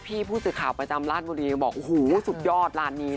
พี่ผู้ศึกข่าวประจำร้านบุรีบอกบอกสุดยอดร้านนี้นะคะ